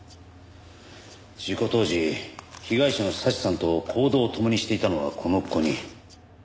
事故当時被害者の早智さんと行動を共にしていたのはこの５人。